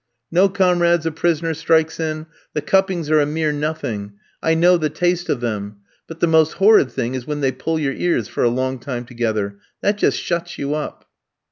"No, comrades," a prisoner strikes in, "the cuppings are a mere nothing. I know the taste of them. But the most horrid thing is when they pull your ears for a long time together. That just shuts you up."